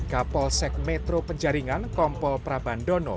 kapol sek metro penjaringan kompol prabandono